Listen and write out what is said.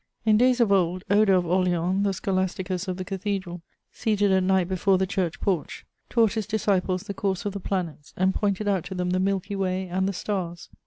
In days of old, Odo of Orleans, the scholasticus of the cathedral, seated at night before the church porch, taught his disciples the course of the planets, and pointed out to them the Milky Way and the stars.